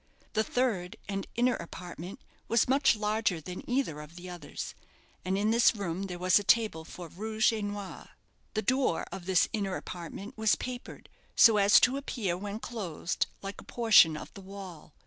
The third, and inner, apartment was much larger than either of the others, and in this room there was a table for rouge et noir. The door of this inner apartment was papered so as to appear when closed like a portion of the wall.